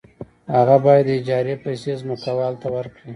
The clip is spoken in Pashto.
هغه باید د اجارې پیسې ځمکوال ته ورکړي